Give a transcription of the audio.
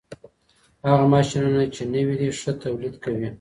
هغه ماشينونه چي نوي دي، ښه توليد کوي.